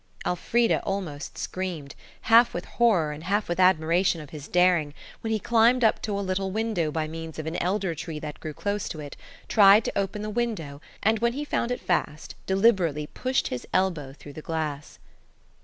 Elfrida almost screamed, half with horror and half with admiration of his daring, when he climbed up to a little window by means of an elder tree that grew close to it, tried to open the window, and when he found it fast deliberately pushed his elbow through the glass.